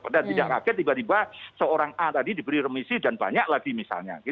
dan tidak kaget tiba tiba seorang a tadi diberi remisi dan banyak lagi misalnya